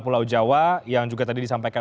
pulau jawa yang juga tadi disampaikan